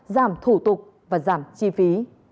giảm thủ tục và giảm chi phí